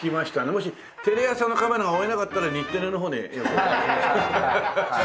もしテレ朝のカメラが追えなかったら日テレの方に。